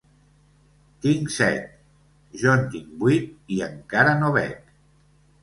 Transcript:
Tinc set / —Jo en tinc vuit i encara no bec.